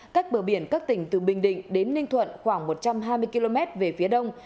cách bờ biển các tỉnh từ bình định đến ninh thuận khoảng một trăm hai mươi km về phía đông